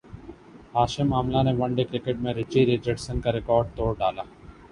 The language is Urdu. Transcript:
ہاشم املہ نے ون ڈے کرکٹ میں رچی رچرڈسن کا ریکارڈ توڑ ڈالا